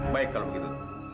baik kalau begitu